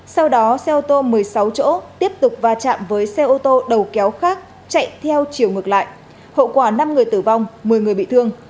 sau đó xe ô tô một mươi sáu chỗ tiếp tục va chạm với xe ô tô đầu kéo khác chạy theo chiều ngược lại hậu quả năm người tử vong một mươi người bị thương